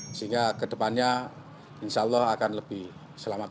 sehingga kedepannya insya allah akan lebih selamat